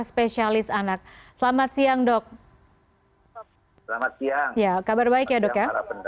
spesialis anak selamat siang dok selamat siang ya kabar baik ya dok ya